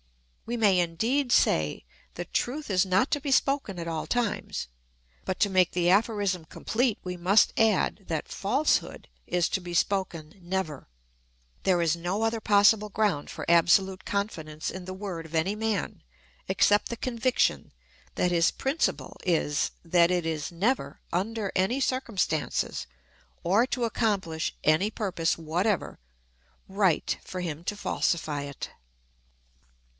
We may, indeed, say, "The truth is not to be spoken at all times," but to make the aphorism complete we must add, that falsehood is to be spoken never. There is no other possible ground for absolute confidence in the word of any man except the conviction that his principle is, that it is never, under any circumstances, or to accomplish any purpose whatever, right for him to falsify it.